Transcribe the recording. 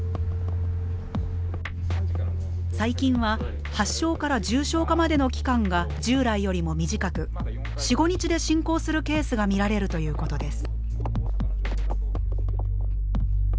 最近は発症から重症化までの期間が従来よりも短く４５日で進行するケースが見られるということです。